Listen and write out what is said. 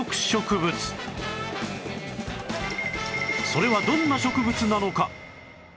それはどんな植物なのか？